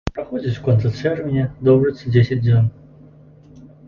Праходзіць у канцы чэрвеня, доўжыцца дзесяць дзён.